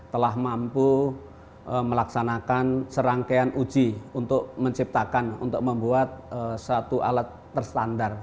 telah mampu melaksanakan serangkaian uji untuk menciptakan untuk membuat satu alat terstandar